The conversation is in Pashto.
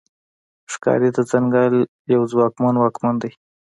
ښکاري د ځنګل یو ځواکمن واکمن دی.